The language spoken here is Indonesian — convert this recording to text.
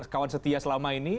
kawan setia selama ini